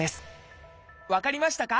分かりましたか？